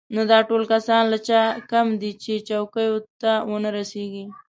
نو دا ټول کسان له چا کم دي چې چوکیو ته ونه رسېږي.